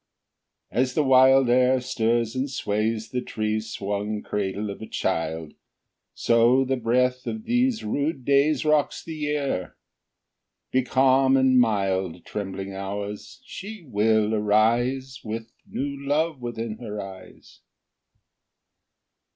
3. As the wild air stirs and sways The tree swung cradle of a child, So the breath of these rude days _15 Rocks the Year: be calm and mild, Trembling Hours, she will arise With new love within her eyes.